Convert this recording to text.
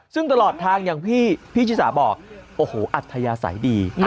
ซึ่งตลอดทางอย่างที่พี่ชิสาบอกโอ้โหอัธยาศัยดี